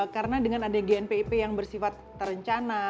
karena dengan ada gnpip yang bersifat terencana